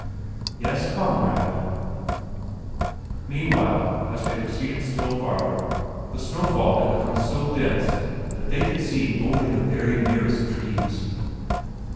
"Yes, Conrad." Meanwhile, as they had proceeded still farther, the snowfall had become so dense that they could see only the very nearest trees.